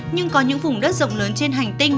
nhưng có những vùng đất rộng lớn trên hành tinh